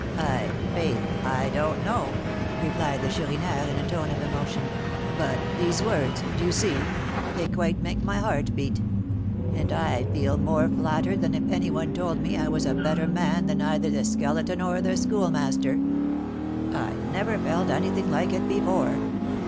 "I' faith, I don't know," replied the Chourineur, in a tone of emotion; "but these words, do you see, they quite make my heart beat; and I feel more flattered than if any one told me I was a 'better man' than either the Skeleton or the Schoolmaster. I never felt anything like it before.